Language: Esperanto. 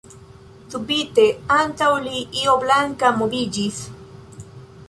Subite antaŭ li io blanka moviĝis.